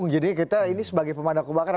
jadi kita ini sebagai pemadaku bakar